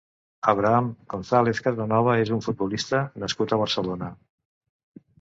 Abraham González Casanova és un futbolista nascut a Barcelona.